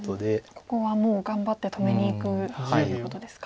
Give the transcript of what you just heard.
ここはもう頑張って止めにいくということですか。